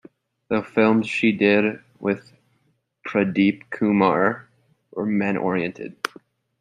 The films she did with Pradeep Kumar were men-oriented.